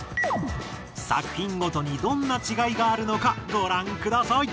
作品ごとにどんな違いがあるのかご覧ください。